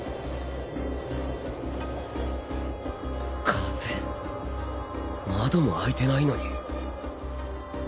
風窓も開いてないのに。